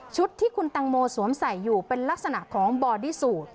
ที่คุณตังโมสวมใส่อยู่เป็นลักษณะของบอดี้สูตร